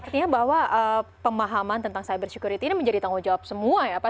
artinya bahwa pemahaman tentang cyber security ini menjadi tanggung jawab semua ya pak